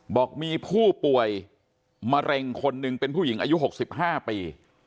บอกมีผู้ป่วยมะเร็งคนหนึ่งเป็นผู้หญิงอายุ๖๕ปี